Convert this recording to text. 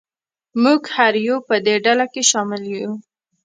موږ هر یو په دې ډله کې شامل یو.